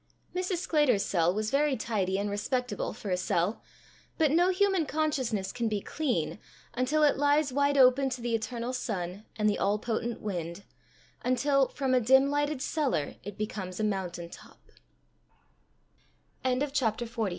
Mrs. Sclater's cell was very tidy and respectable for a cell, but no human consciousness can be clean, until it lies wide open to the eternal sun, and the all potent wind; until, from a dim lighted cellar it becomes a mountain top. CHAPTER XLI. INITIATION. Mrs.